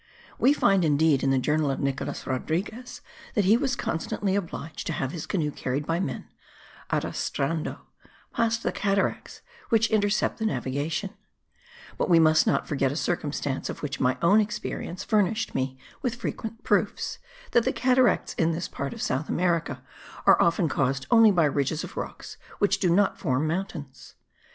We find indeed, in the journal of Nicolas Rodriguez, that he was constantly obliged to have his canoe carried by men (arrastrando) past the cataracts which intercept the navigation; but we must not forget a circumstance of which my own experience furnished me with frequent proofs that the cataracts in this part of South America are often caused only by ridges of rocks which do not form mountains.